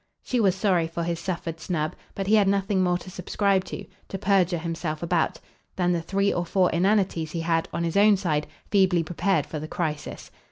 She was sorry for his suffered snub, but he had nothing more to subscribe to, to perjure himself about, than the three or four inanities he had, on his own side, feebly prepared for the crisis.